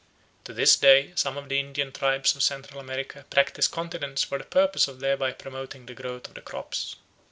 To this day some of the Indian tribes of Central America practise continence for the purpose of thereby promoting the growth of the crops.